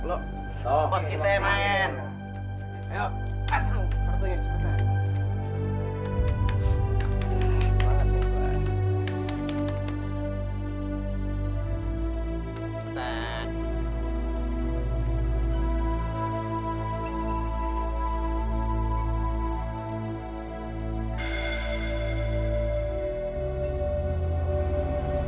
lihatlah bos kita akan main